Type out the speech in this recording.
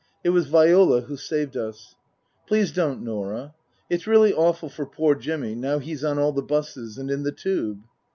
It was Viola who saved us. " Please don't, Norah. It's really awful for poor Jimmy now he's on all the buses and in the Tube